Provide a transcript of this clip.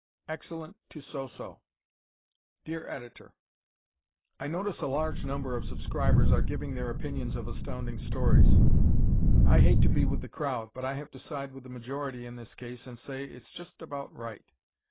"Excellent" to "So So" Dear Editor: I notice a large number of subscribers are giving their opinions of Astounding Stories. I hate to be with the crowd, but I have to side with the majority in this case and say it's just about right.